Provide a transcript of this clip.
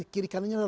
kiri kanannya laut